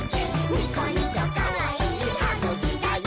ニコニコかわいいはぐきだよ！」